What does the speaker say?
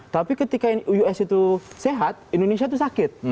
tapi ketika us itu sehat indonesia itu sakit